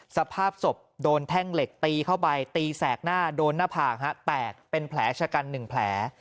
สภาพศพโดนแท่งเหล็กตีเข้าไปตีแสกหน้าโดนหน้าผากแตกเป็นแผลชะกัน๑แผล